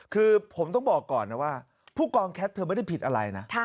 คือผมต้องบอกก่อนนะว่าผู้กองแคทเธอไม่ได้ผิดอะไรนะ